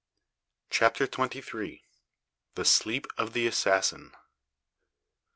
CHAPTER TWENTY THREE. THE SLEEP OF THE ASSASSIN.